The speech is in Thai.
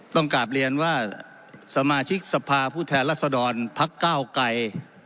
กลับเรียนว่าสมาชิกสภาผู้แทนรัศดรพักเก้าไกร